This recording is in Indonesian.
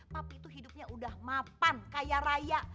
papi itu hidupnya udah mapan kaya raya